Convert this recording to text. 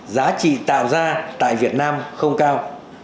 giá trị tạo ra tại việt nam không cao